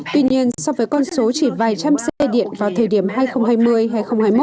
tuy nhiên so với con số chỉ vài trăm xe điện vào thời điểm hai nghìn hai mươi hay hai nghìn hai mươi một